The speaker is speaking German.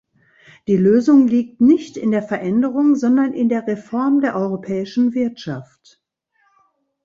Die Lösung liegt nicht in der Veränderung, sondern in der Reform der europäischen Wirtschaft.